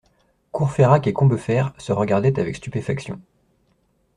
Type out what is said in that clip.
Courfeyrac et Combeferre se regardaient avec stupéfaction.